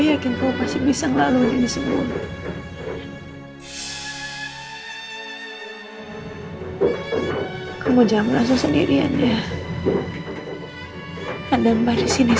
aku mau kasih dukungan kamu bukan tentang waktumu